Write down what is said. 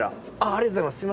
ありがとうございます。